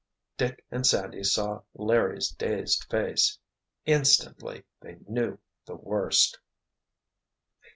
——" Dick and Sandy saw Larry's dazed face. Instantly they knew the worst!